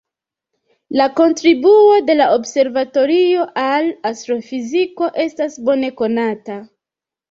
La kontribuo de la observatorio al astrofiziko estas bone konata.